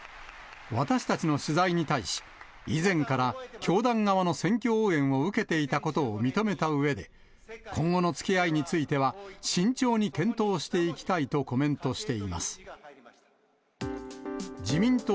私たちの取材に対し、以前から教団側の選挙応援を受けていたことを認めたうえで、今後のつきあいについては、慎重に検討していきたいとコメントしています。